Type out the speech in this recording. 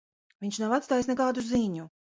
Viņš nav atstājis nekādu ziņu.